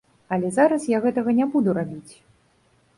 Але зараз я гэтага не буду рабіць.